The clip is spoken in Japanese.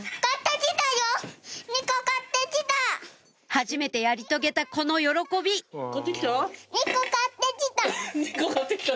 はじめてやり遂げたこの喜び２こかってきた！